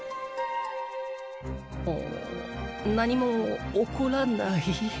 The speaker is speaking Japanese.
何も起こらない